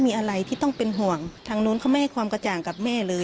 มีอาการแบบนี้ไหมครับ